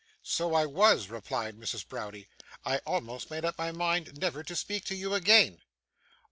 'So I was,' replied Mrs. Browdie. 'I almost made up my mind never to speak to you again.